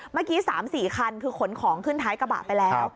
เมื่อกี้๓๔คันคือขนของขึ้นท้ายกระบะไปแล้ว